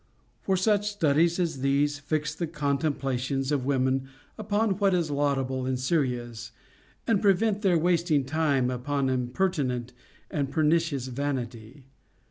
For such studies as these fix the contemplations of women upon what is laudable and serious, and prevent their wasting time upon impertinent and pernicious vanity.